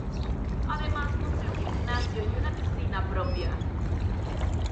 Además posee un gimnasio y una piscina propia.